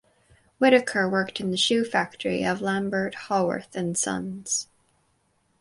Whittaker worked in the shoe factory of Lambert Howarth and Sons.